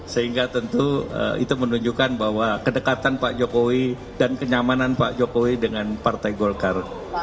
sehingga tentu itu menunjukkan bahwa kedekatan pak jokowi dan kenyamanan pak jokowi dengan partai golkar